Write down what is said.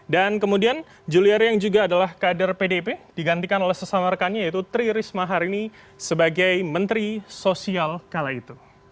dan kemudian juliari yang juga adalah kader pdp digantikan oleh sesama rekannya yaitu tri risma harini sebagai menteri sosial kala itu